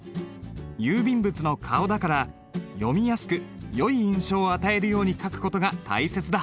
郵便物の顔だから読みやすくよい印象を与えるように書く事が大切だ。